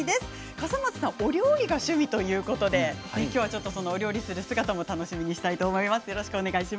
笠松さん、お料理が趣味ということでそのお姿を楽しみにしたいと思います。